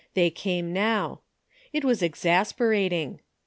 They came now. It was exasperating.